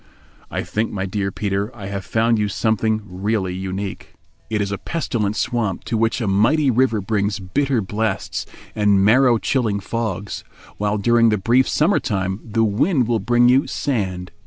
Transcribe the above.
"I think, my dear Peter, I have found you something really unique. It is a pestilent swamp to which a mighty river brings bitter blasts and marrow chilling fogs, while during the brief summer time the wind will bring you sand.